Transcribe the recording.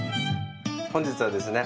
本日はですね